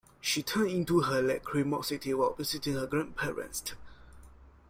She turned into her lachrymosity while visiting her grandparents.